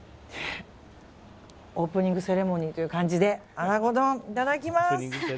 オープニングセレモニーという感じで、アナゴ丼いただきます！